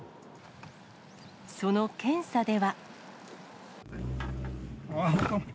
その検査では。